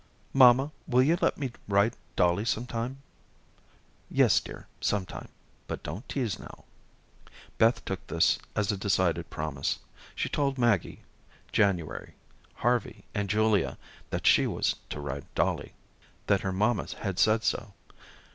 "Mamma, will you let me ride Dollie sometime?" "Yes, dear, sometime, but don't tease now." Beth took this as a decided promise. She told Maggie, January, Harvey, and Julia that she was to ride Dollie; that her mamma had said so.